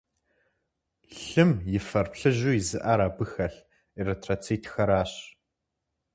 Лъым и фэр плыжьу изыӀэр абы хэлъ эритроцитхэращ.